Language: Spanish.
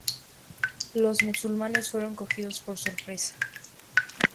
Los musulmanes fueron cogidos por sorpresa.